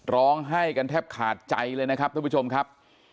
ร้องไห้กันแทบขาดใจเลยนะครับท่านผู้ชมครับ